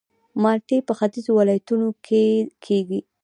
مالټې په ختیځو ولایتونو کې کیږي